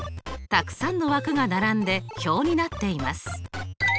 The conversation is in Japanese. たくさんの枠が並んで表になっています。